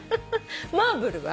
マーブルは？